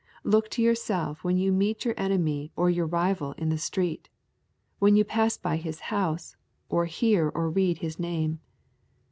Look to yourself when you meet your enemy or your rival in the street, when you pass his house, or hear or read his name.